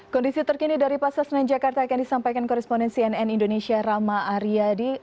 kondisi terkini dari pasar senen jakarta akan disampaikan koresponden cnn indonesia rama aryadi